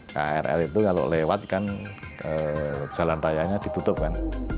krl itu kalau lewat kan jalan rayanya ditutup kan